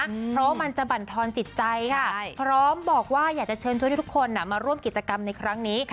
เพราะว่ามันจะบรรทอนจิตใจค่ะพร้อมบอกว่าอยากจะเชิญชวนทุกคนมาร่วมกิจกรรมในครั้งนี้